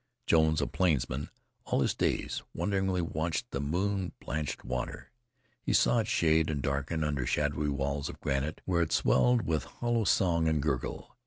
Jones, a plainsman all his days, wonderingly watched the moon blanched water. He saw it shade and darken under shadowy walls of granite, where it swelled with hollow song and gurgle.